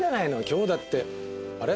今日だってあれ？